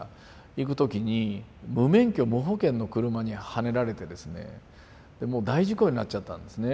行く時に無免許無保険の車にはねられてですねもう大事故になっちゃったんですね。